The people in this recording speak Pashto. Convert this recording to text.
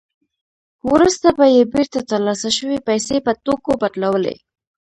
وروسته به یې بېرته ترلاسه شوې پیسې په توکو بدلولې